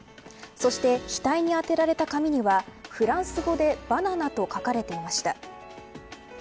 そして額に当てられた紙にはフランス語でバナナと書かれていました。